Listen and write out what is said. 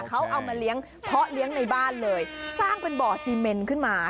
เขาเอามาเลี้ยงเพาะเลี้ยงในบ้านเลยสร้างเป็นบ่อซีเมนขึ้นมา